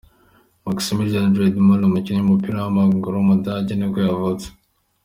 Maximilian Riedmüller, umukinnyi w’umupira w’amaguru w’umudage nibwo yavutse.